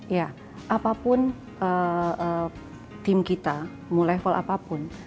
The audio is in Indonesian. ya apapun tim kita mau level apapun